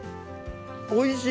おいしい！